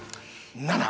７。